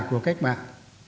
của các bạn